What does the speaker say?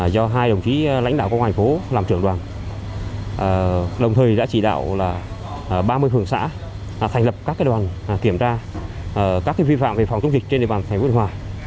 do hai đồng chí lãnh đạo của ngoài phố làm trưởng đoàn đồng thời đã trì đạo ba mươi phường xã thành lập các đoàn kiểm tra các vi phạm về phòng chống dịch trên địa bàn thành phố yên hòa